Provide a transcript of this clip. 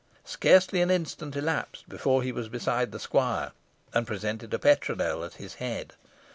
Scarcely an instant elapsed before he was beside the squire, and presented a petronel at his head.